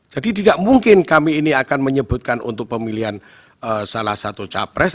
jadi tidak mungkin kami ini akan menyebutkan untuk pemilihan salah satu capres